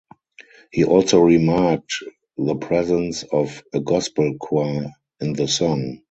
He also remarked the presence of "a gospel choir" in the song.